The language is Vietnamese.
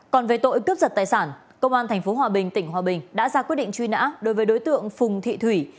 còn về tội cướp giật tài sản công an tp hòa bình tỉnh hòa bình đã ra quyết định truy nã đối với đối tượng phùng thị thủy